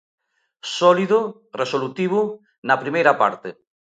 Sólido, resolutivo, na primeira parte.